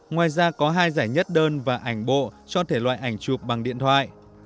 ngoài ra có hai giải nhất đơn và ảnh bộ cho thể loại ảnh chụp bằng điện thoại